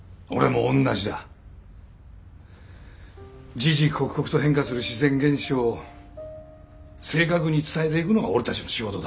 時々刻々と変化する自然現象を正確に伝えていくのが俺たちの仕事だ。